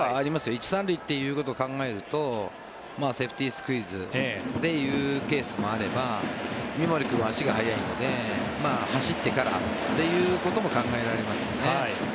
１・３塁ということを考えるとセーフティースクイズというケースもあれば三森君は足が速いので走ってからということも考えられますね。